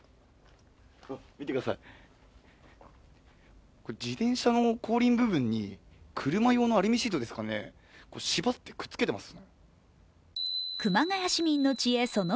見てください、自転車の後輪部分に車用のアルミシートですかね、縛ってくっつけています。